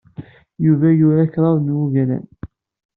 Yuba yura kraḍ n wungalen.